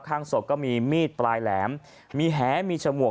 ข้างศพก็มีมีดปลายแหลมมีแหมีฉมวก